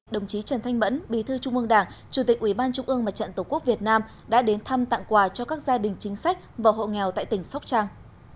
đồng chí trần thanh mẫn bí thư trung ương đảng chủ tịch ủy ban trung ương mặt trận tổ quốc việt nam đã đến thăm tặng quà cho các gia đình chính sách và hộ nghèo tại tỉnh sóc trăng